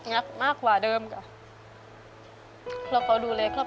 รักมากกว่าเดิมค่ะ